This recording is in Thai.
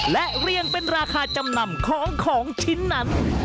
และเรียงเป็นราคาจำนำของของชิ้นนั้น